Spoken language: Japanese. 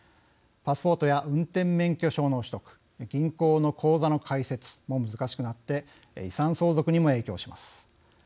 パスポートや運転免許証の取得銀行の口座の開設も難しくなって遺産相続にも影響します。